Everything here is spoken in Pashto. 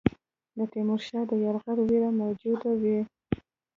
د تیمورشاه د یرغل وېره موجوده وه.